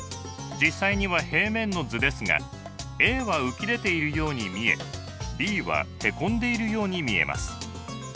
実際には平面の図ですがＡは浮き出ているように見えＢはへこんでいるように見えます。